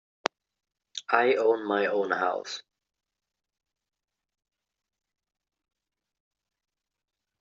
I own my own house.